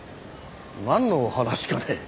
なんの話かね？